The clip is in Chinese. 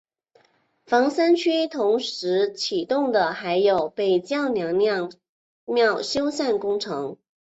房山区同期启动的还有北窖娘娘庙修缮工程。